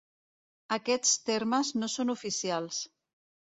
Aquests termes no són oficials.